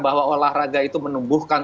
bahwa olahraga itu menubuhkan